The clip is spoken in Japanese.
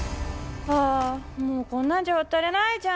あもうこんなんじゃ渡れないじゃん。